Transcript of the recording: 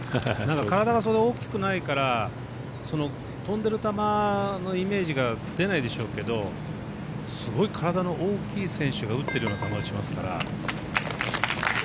体がそれほど大きくないから飛んでる球のイメージが出ないでしょうけどすごい体の大きい選手が打ってるような球、打ちますから。